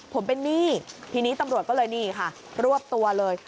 ผมเป็นหนี้ทีนี้ตำรวจก็เลยนี่ค่ะรวบตัวเลย